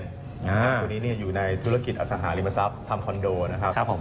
ตัวนี้อยู่ในธุรกิจอสังหาริมทรัพย์ทำคอนโดนะครับผม